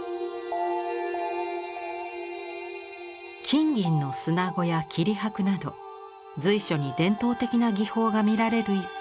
金銀の砂子や切箔など随所に伝統的な技法が見られる一方で。